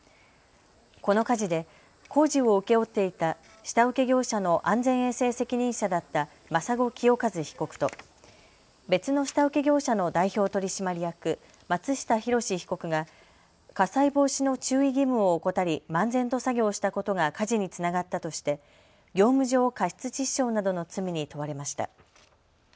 この火事で工事を請け負っていた下請け業者の安全衛生責任者だった眞砂清一被告と別の下請け業者の代表取締役、松下弘被告が火災防止の注意義務を怠り漫然と作業したことが火事につながったとして業務上過失致死傷などの罪に問われました。